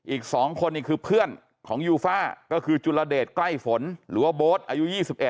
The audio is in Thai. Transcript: อีก๒คนนี่คือเพื่อนของยูฟ่าก็คือจุลเดชใกล้ฝนหรือว่าโบ๊ทอายุ๒๑